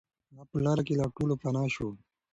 هغه په لاره کې له ټولو پناه شو.